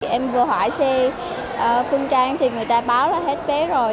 em vừa hỏi xe phương trang thì người ta báo là hết vé rồi